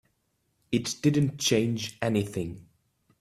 It didn't change anything.